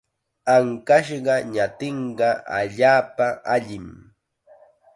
Ankashqa ñatinqa allaapa allim.